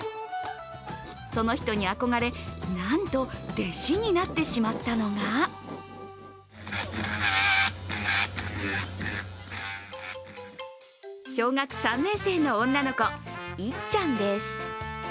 その人に憧れ、なんと弟子になってしまったのが小学３年生の女の子いっちゃんです。